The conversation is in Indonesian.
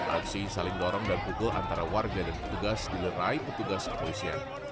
aksi saling dorong dan pukul antara warga dan petugas di lerai petugas kepoisian